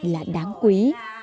vậy là đáng quý